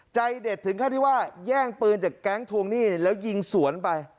ใจเดดถึงที่ถึงแย่งปืนจากการ์งทวงหนี้แล้วยิงสวนไป